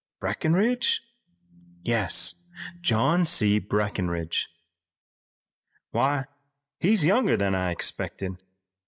"Breckinridge?" "Yes, John C. Breckinridge." "Why, he's younger than I expected.